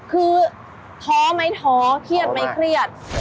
คือโทรไหมโทรเครียดไหมเครียด